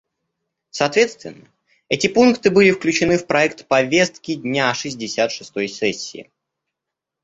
Соответственно, эти пункты были включены в проект повестки дня шестьдесят шестой сессии.